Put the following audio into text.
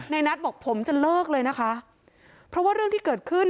นัทบอกผมจะเลิกเลยนะคะเพราะว่าเรื่องที่เกิดขึ้น